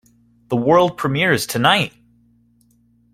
The world premiere is tonight!